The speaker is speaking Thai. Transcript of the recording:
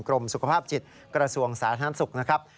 กรมสุขภาพจิตกระทรวงสาธารณสุขนะครับ